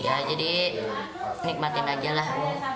ya jadi nikmatin aja lah